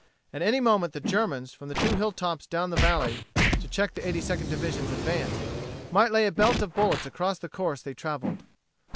At any moment the Germans from the two hilltops down the valley to check the Eighty Second Division's advance might lay a belt of bullets across the course they traveled.